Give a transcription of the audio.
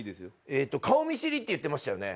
えっと顔見知りって言ってましたよね。